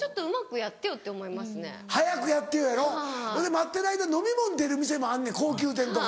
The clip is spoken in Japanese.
待ってる間飲み物出る店もあんねん高級店とか。